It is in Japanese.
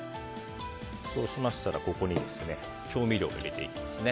そうしましたら、ここに調味料を入れていきます。